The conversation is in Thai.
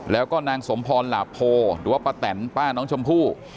แล้วก็นางสมพรหลาโพหรือว่าป้าแตนป้าน้องชมพู่